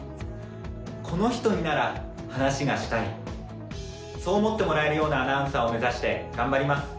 この人になら話がしたいそう思ってもらえるようなアナウンサーを目指して頑張ります。